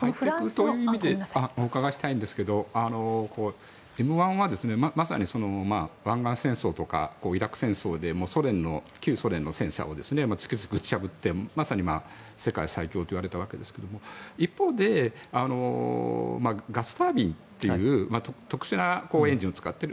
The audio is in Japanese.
お伺いしたんですけどＭ１は湾岸戦争とかイラク戦争で旧ソ連の戦車をつくづく打ち破って、まさに世界最強と言われたわけですが一方でガスタービンという特殊なエンジンを使っている。